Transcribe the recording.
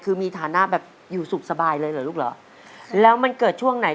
คือมีฐานะแบบอยู่สุขสบายเลยเหรอลูกเหรอแล้วมันเกิดช่วงไหน